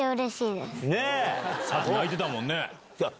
さっき泣いてたもんね。